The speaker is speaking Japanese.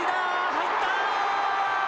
入った！